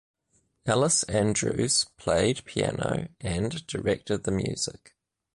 Alice Andrews played piano and directed the music.